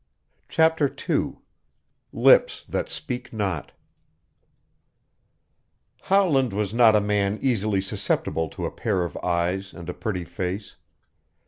CHAPTER II LIPS THAT SPEAK NOT Howland was not a man easily susceptible to a pair of eyes and a pretty face.